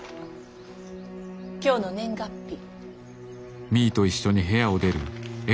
今日の年月日。